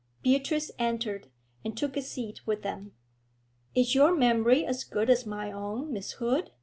Beatrice entered, and took a scat with them. 'Is your memory as good as my own, Miss Hood?'